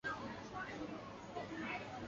这个节目的播出季通常分为两部份。